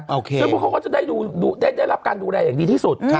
โอเคซึ่งพวกเขาก็จะได้รับจากการดูแลอย่างดีที่สุด